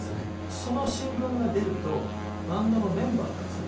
その新聞が出るとバンドのメンバーがですね